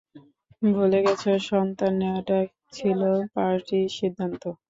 ভুলে গেছ সন্তান নেয়াটা ছিল পার্টির সিদ্ধান্ত?